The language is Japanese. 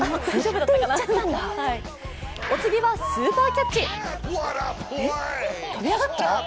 お次はスーパーキャッチ。